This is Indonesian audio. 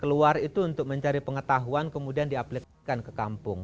keluar itu untuk mencari pengetahuan kemudian diaplikasikan ke kampung